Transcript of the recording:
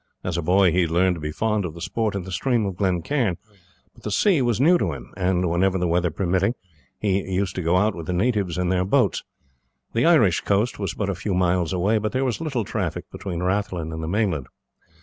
As a boy he had learned to be fond of the sport in the stream of Glen Cairn; but the sea was new to him, and whenever the weather permitting he used to go out with the natives in their boats. The Irish coast was but a few miles away, but there was little traffic between Rathlin and the mainland.